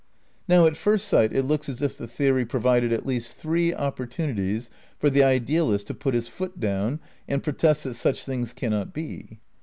Now at first sight it looks as if the theory provided at least three opportunities for the idealist to put his foot down and protest that such things cannot be.